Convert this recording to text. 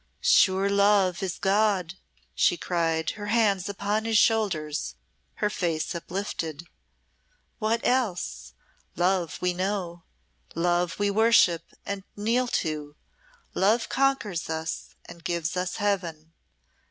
"Sure Love is God," she cried, her hands upon his shoulders, her face uplifted. "What else? Love we know; Love we worship and kneel to; Love conquers us and gives us Heaven.